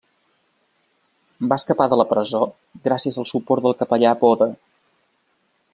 Va escapar de la presó gràcies al suport del capellà Boda.